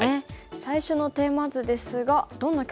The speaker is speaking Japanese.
最初のテーマ図ですがどんな局面でしょうか。